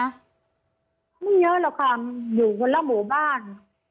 ไม่เยอะหรอกค่ะอยู่ระหว่างหมู่บ้าน